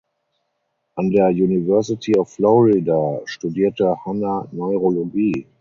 An der University of Florida studierte Hanna Neurologie.